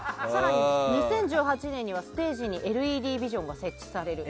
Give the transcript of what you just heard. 更に、２０１８年にはステージにＬＥＤビジョンが設置される。